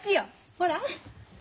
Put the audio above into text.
ほら。